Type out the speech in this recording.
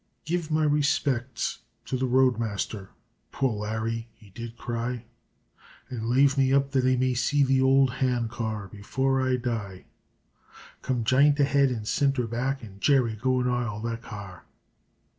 "Give my respects to the roadmas ther," poor Larry he did cry, "An lave me up that I may see the ould hand car before I die. Come, j'int ahead an' cinter back, An' Jerry, go an' ile that car r r!"